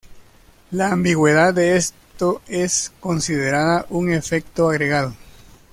La ambigüedad de esto es considerada un efecto agregado.